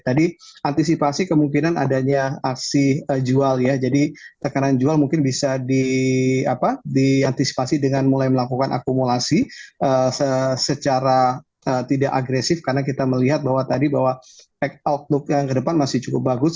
tadi antisipasi kemungkinan adanya aksi jual ya jadi tekanan jual mungkin bisa diantisipasi dengan mulai melakukan akumulasi secara tidak agresif karena kita melihat bahwa tadi bahwa outlook yang ke depan masih cukup bagus